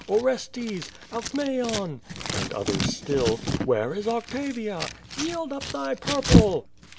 Orestes! Alcmaeon!" and others still, "Where is Octavia?" "Yield up thy pur ple!"